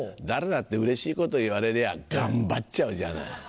誰だって嬉しいこと言われりゃ頑張っちゃうじゃない。